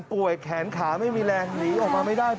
แขนขาไม่มีแรงหนีออกมาไม่ได้